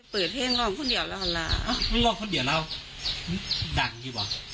เปิดให้น้องพ่อเดี๋ยวแล้วค่ะห้ะน้องพ่อเดี๋ยวแล้วดังจริงเปล่า